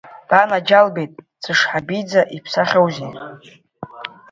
Банаџьалбеит, бцәышҳабица ибсахьоузеи!